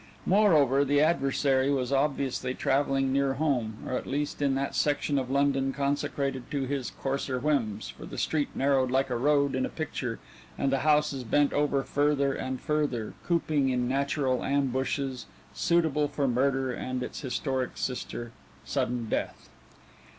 Moreover, the adversary was obviously travelling near home or at least in that section of London consecrated to his coarser whims, for the street narrowed like a road in a picture and the houses bent over further and further, cooping in natural ambushes suitable for murder and its histrionic sister, sudden death.